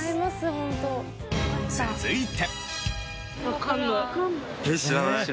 続いて。